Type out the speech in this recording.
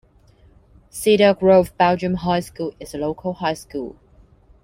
Cedar Grove-Belgium High School is the local high school.